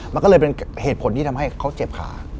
มันก็เลยเป็นเหตุผลที่ทำให้เขาเจ็บขา